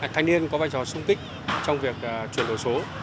thanh niên có vai trò sung tích trong việc chuyển đổi số